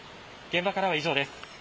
現場からは以上です。